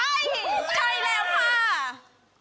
ใช่แล้วค่ะ